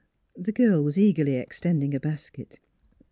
The girl was eagerly extending a basket.